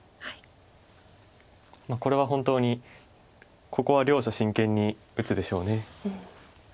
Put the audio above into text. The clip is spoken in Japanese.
これは本当にここは両者真剣に打つでしょう。